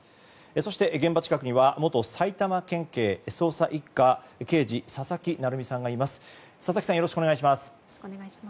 そして、現場近くには元埼玉県警捜査１課刑事佐々木成三さんがいます。